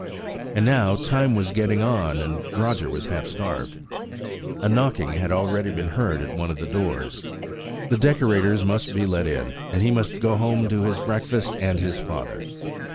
And now time was getting on, and Roger was half starved. A knocking had already been heard at one of the doors. The decorators must be let in, and he must go home to his breakfast and his father.